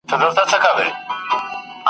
نه ونه پېژنم نه وني ته اشنا یمه نور ..